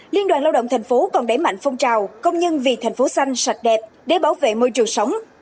liên đoàn lao động thành phố còn đẩy mạnh phong trào công nhân vì thành phố xanh sạch đẹp để bảo vệ môi trường sống